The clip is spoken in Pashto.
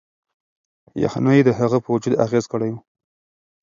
یخنۍ د هغه په وجود اغیز کړی و.